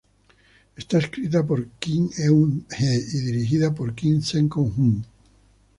Está escrita por Kim Eun-hee y dirigida por Kim Seong-hun.